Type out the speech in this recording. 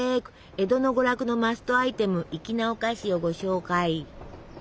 江戸の娯楽のマストアイテム粋なお菓子をご紹介。